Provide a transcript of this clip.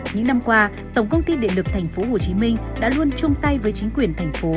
những năm qua tổng công ty điện lực tp hcm đã luôn chung tay với chính quyền thành phố